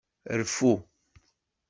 Rfu.